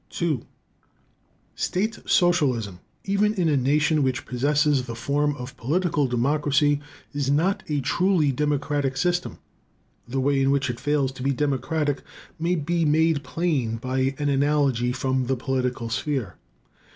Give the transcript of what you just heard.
II State socialism, even in a nation which possesses the form of political democracy, is not a truly democratic system. The way in which it fails to be democratic may be made plain by an analogy from the political sphere.